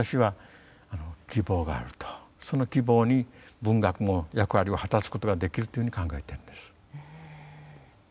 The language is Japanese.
その希望に文学も役割を果たすことができるというふうに考えてるんです。